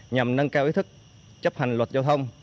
nhằm nâng cao ý thức chấp hành luật giao thông